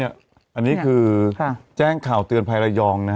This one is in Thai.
อันนี้คือแจ้งข่าวเตือนภัยระยอง